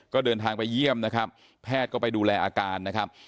ก็เดินทางไปเยี่ยมนะครับแพทย์ก็ไปดูแลอาการนะครับ